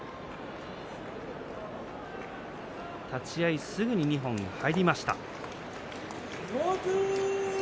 立ち合いすぐに二本入りました。